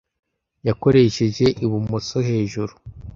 Yakoresheje ibumoso-hejuru.